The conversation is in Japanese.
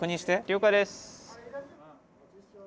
了解です。